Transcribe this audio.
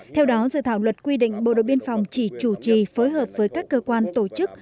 theo đó dự thảo luật quy định bộ đội biên phòng chỉ chủ trì phối hợp với các cơ quan tổ chức